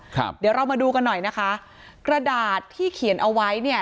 ครับเดี๋ยวเรามาดูกันหน่อยนะคะกระดาษที่เขียนเอาไว้เนี่ย